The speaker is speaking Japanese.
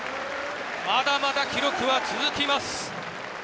まだまだ記録は続きます。